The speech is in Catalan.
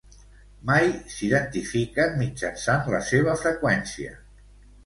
Mai s'identifiquen mitjançant la seva freqüència.